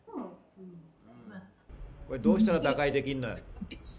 どうしたら打開できるのよ。